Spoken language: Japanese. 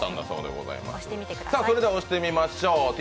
それでは押してみましょう。